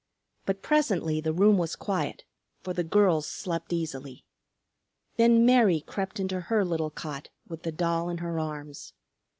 But presently the room was quiet, for the girls slept easily. Then Mary crept into her little cot with the doll in her arms.